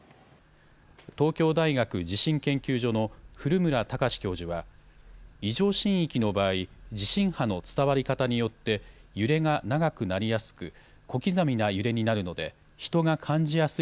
東京大学地震研究所の古村孝志教授は異常震域の場合、地震波の伝わり方によって揺れが長くなりやすく、小刻みな揺れになるので人が感じやすい